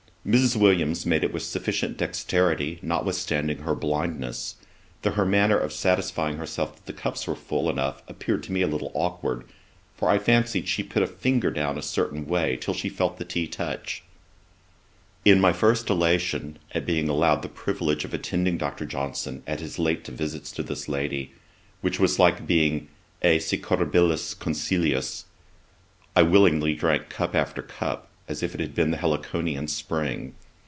Mrs. Williams made it with sufficient dexterity, notwithstanding her blindness, though her manner of satisfying herself that the cups were full enough appeared to me a little aukward; for I fancied she put her finger down a certain way, till she felt the tea touch it. In my first elation at being allowed the privilege of attending Dr. Johnson at his late visits to this lady, which was like being è secretioribus consiliis, I willingly drank cup after cup, as if it had been the Heliconian spring.